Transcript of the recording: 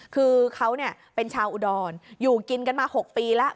คือเขาเป็นชาวอุดรอยู่กินกันมา๖ปีแล้ว